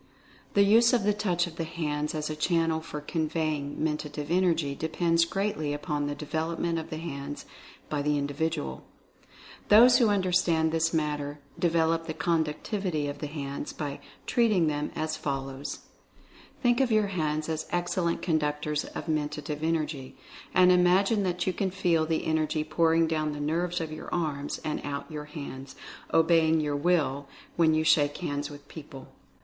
The use of the Touch of the hands as a channel for conveying Mentative Energy depends greatly upon the development of the hands by the individual. Those who understand this matter, develop the conductivity Use of Mentative Instruments 239 of the hands by "treating" them, as follows : Think of your hands as excellent conductors of Mentative En ergy, and imagine that you can feel the Energy pour ing down the nerves of your arms, and out of your hands, obeying your Will, when you shake hands with people.